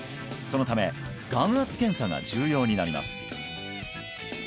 そのため眼圧検査が重要になります